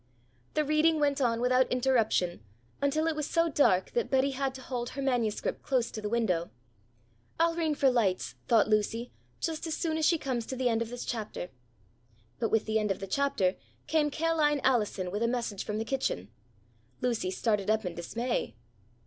The reading went on without interruption until it was so dark that Betty had to hold her manuscript close to the window. "I'll ring for lights," thought Lucy, "just as soon as she comes to the end of this chapter." But with the end of the chapter came Ca'line Allison with a message from the kitchen. Lucy started up in dismay.